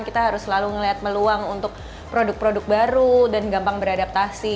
kita harus selalu melihat peluang untuk produk produk baru dan gampang beradaptasi